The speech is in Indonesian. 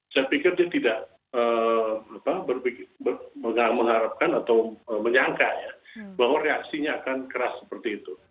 saya pikir dia tidak mengharapkan atau menyangka ya bahwa reaksinya akan keras seperti itu